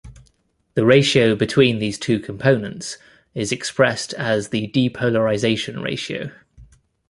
The ratio between these two components is expressed as the depolarization ratio.